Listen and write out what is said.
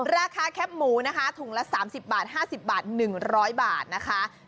ราคาแคปหมูนะคะถุงละ๓๐บาท๕๐บาท๑๐๐บาทนะคะ